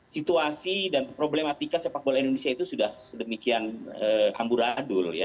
situasi dan problematika sepak bola indonesia itu sudah sedemikian hamburadul ya